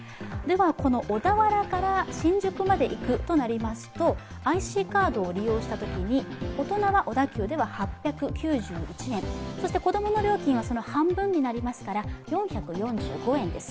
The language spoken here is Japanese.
この小田原から新宿まで行くとなりますとＩＣカードを利用したときに、大人は小田急では８９１円、そして子供の料金はその半分になりますから４４５円です。